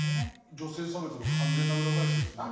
女性差別の完全な裏返しですね。